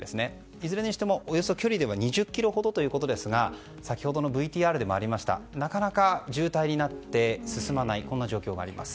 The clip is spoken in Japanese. いずれにしても、およそ距離では２０ｋｍほどということですが先ほどのＶＴＲでもありましたなかなか渋滞になって進まないという状況があります。